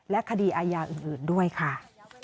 และคดีอาญาอื่นด้วยค่ะ